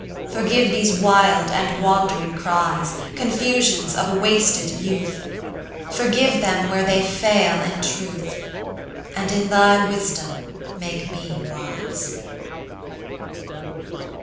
Forgive these wild and wandering cries, Confusions of a wasted youth; Forgive them where they fail in truth, And in thy wisdom make me wise.